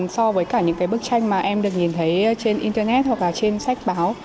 so với cả những bức tranh mà em được nhìn thấy trên internet hoặc là trên sách báo